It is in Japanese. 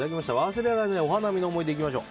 忘れられないお花見の思い出行きましょう。